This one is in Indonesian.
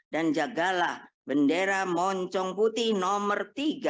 dan jagalah bendera mocong putih nomor tiga